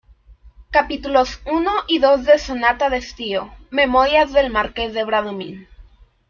capítulos uno y dos de Sonata de Estío, Memorias del Marqués de Bradomín.